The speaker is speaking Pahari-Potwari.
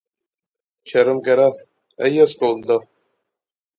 شرم کرا، ایہہ سکول دا